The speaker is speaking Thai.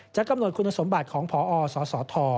กำหนดคุณสมบัติของพอสสท